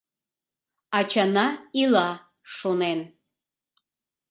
Ачана ила, шонен.